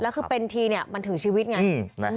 แล้วคือเป็นทีเนี่ยมันถึงชีวิตไง